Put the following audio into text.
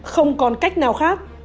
không còn cách nào khác